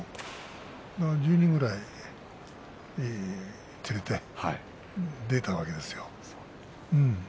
１０人ぐらい連れて出たわけですよ。